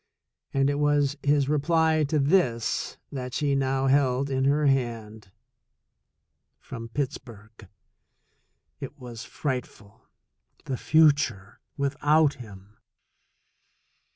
And it was his reply to this that she now held in her hand — from Pittsburgh ! It was frightful ! The future without him